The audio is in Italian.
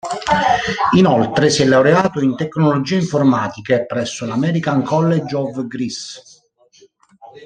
Inoltre si è laureato in tecnologie informatiche presso l"'American College of Greece".